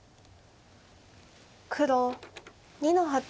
黒２の八。